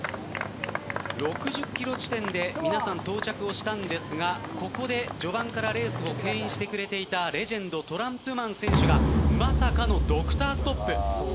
６０ｋｍ地点で皆さん到着したんですがここで序盤からレースを牽引してくれていたレジェンド、トランプマン選手がまさかのドクターストップ。